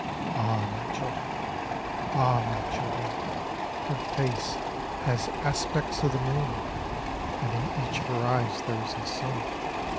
Ah ! my children ! Ah I my children I her face has aspects of the moon. And in each of her eyes there is a sun.